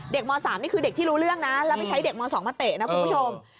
ม๓นี่คือเด็กที่รู้เรื่องนะแล้วไปใช้เด็กม๒มาเตะนะคุณผู้ชม